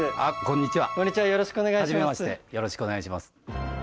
よろしくお願いします。